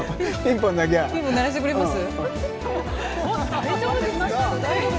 ピンポン鳴らしてくれます？